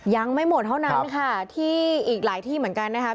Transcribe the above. ยังไม่หมดเท่านั้นค่ะที่อีกหลายที่เหมือนกันนะครับ